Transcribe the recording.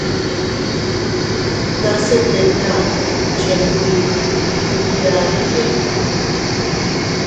Tase tika chenbit ndutyadi yitame.